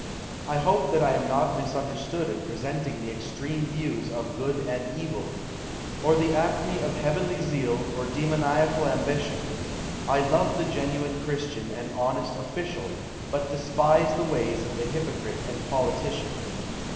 I hope that I am not misunderstood in presenting the ex treme views of good and evil, or the acme of heavenly zeal or demoniacal ambition ! I love the genuine Christian and honest official, but despise the ways of the hypocrite and politician.